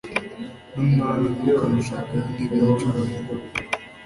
n'umwami ntukamushakeho intebe y'icyubahiro